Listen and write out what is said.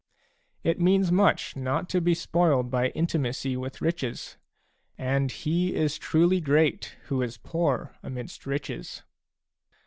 It means much not to be spoiled by intimacy with riches ; and he is truly great who is poor amidst riches.